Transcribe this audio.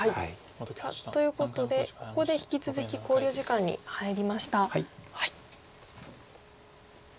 さあということでここで引き続き考慮時間に入りました。